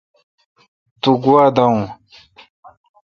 توگوا داؤؤن۔